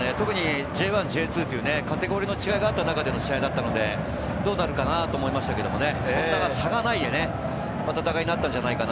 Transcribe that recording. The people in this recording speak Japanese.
Ｊ１、Ｊ２というカテゴリーの違いがあった中での試合だったのでどうなるかなと思いましたが、差がない戦いになったと思います。